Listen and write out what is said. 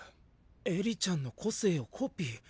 エリちゃんの個性をコピー！？